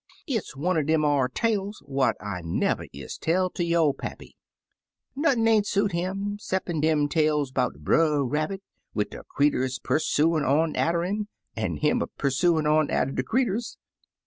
"It's one er dem ar tales what I never is tell ter yo' pappy, Nothin' ain't suit 'im ceppin' dem tales 'bout Brer Rabbit, wid de creeturs persuin 'on atter 'im, an' him a persuin' on atter de creeturs.